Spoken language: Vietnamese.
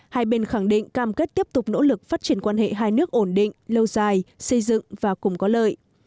hai bên khẳng định cam kết tiếp tục nỗ lực phát triển quan hệ hai nước ổn định lâu dài xây dựng và cùng có lợi